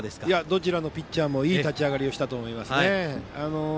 どちらのピッチャーもいい立ち上がりをしたと思います。